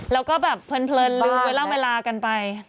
แล้วก็ปั้นเลือกเวลากันไป